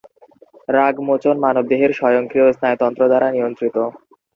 রাগমোচন মানবদেহের স্বয়ংক্রিয় স্নায়ুতন্ত্র দ্বারা নিয়ন্ত্রিত।